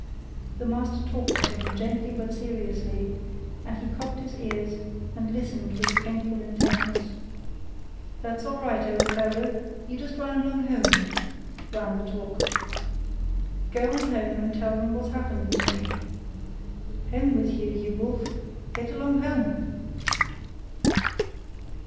The master talked to him gently but seriously, and he cocked his ears, and listened with painful intentness. "That's all right, old fellow, you just run along home," ran the talk. "Go on home and tell them what's happened to me. Home with you, you wolf. Get along home!"